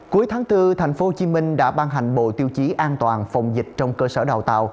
cuối tháng bốn tp hcm đã ban hành bộ tiêu chí an toàn phòng dịch trong cơ sở đào tạo